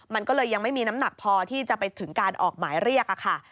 มันก็เลยยังไม่มีน้ำหนักพอที่จะไปถึงการออกหมายเรียกค่ะ